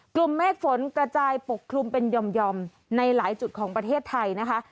กลุ่มเมฆฝนกระจายปกคลุมเป็นหย่อมในหลายจุดของประเทศไทยนะคะ